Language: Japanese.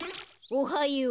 おはよう。